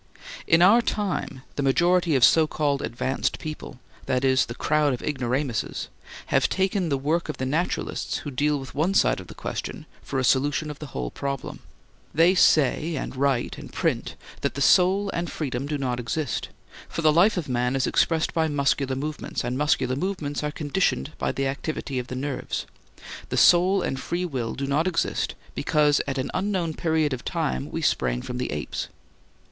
In our time the majority of so called advanced people—that is, the crowd of ignoramuses—have taken the work of the naturalists who deal with one side of the question for a solution of the whole problem. They say and write and print that the soul and freedom do not exist, for the life of man is expressed by muscular movements and muscular movements are conditioned by the activity of the nerves; the soul and free will do not exist because at an unknown period of time we sprang from the apes.